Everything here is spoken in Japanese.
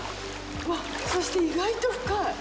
わっ、そして意外と深い。